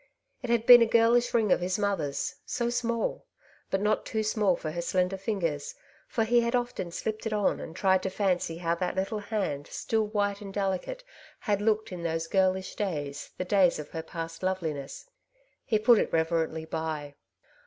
It had been a girlish ring of his Uncertainty's Cares, 127 mother^s, so small ! but not too small for her slender fingers, for lie had often slipped it on and tried to fancy how that little hand, still white and delicate, had looked in those girlish days, the days of her past loveliness. He put it reverently by.